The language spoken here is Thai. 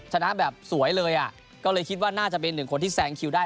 ชนะแบบสวยเลยอ่ะก็เลยคิดว่าน่าจะเป็นหนึ่งคนที่แซงคิวได้